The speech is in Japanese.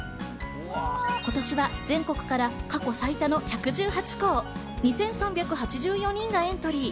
今年は全国から過去最多の１１８校２３８４人がエントリー。